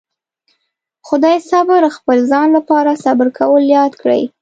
خدای صبر خپل ځان لپاره صبر کول ياد کړي.